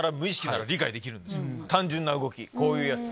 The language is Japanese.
単純な動きこういうやつ。